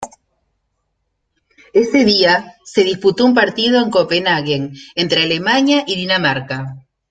Ese día, se disputó un partido en Copenhagen entre Alemania y Dinamarca.